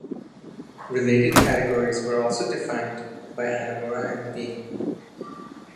Related categories were also defined by Hanamura and Levine.